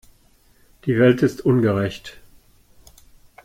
Die Welt ist ungerecht.